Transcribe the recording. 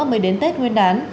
mới đến tết nguyên đán